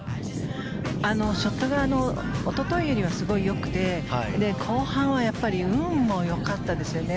ショットがおとといよりはすごいよくて後半は運もよかったですよね。